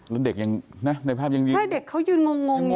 แล้วเด็กยังในภาพยังดีใช่เด็กเขายืนงงอยู่เกิดอะไรขึ้น